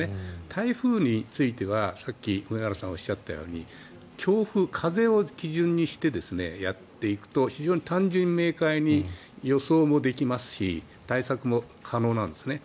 台風については、さっき梅原さんがおっしゃったように強風、風を基準にしてやっていくと非常に単純明快に予想もできますし対策も可能なんですね。